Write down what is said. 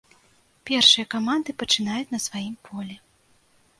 Першыя каманды пачынаюць на сваім полі.